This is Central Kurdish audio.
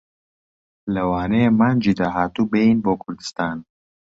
لەوانەیە مانگی داهاتوو بێین بۆ کوردستان.